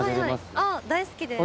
あっ大好きです。